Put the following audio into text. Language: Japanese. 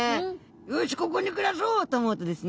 よしここに暮らそう！と思うとですね